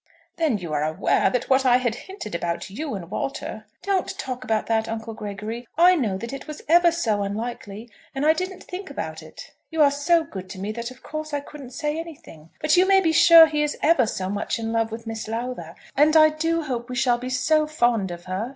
"Then you are aware that what I had hinted about you and Walter " "Don't talk about that, Uncle Gregory. I knew that it was ever so unlikely, and I didn't think about it. You are so good to me that of course I couldn't say anything. But you may be sure he is ever so much in love with Miss Lowther; and I do hope we shall be so fond of her!"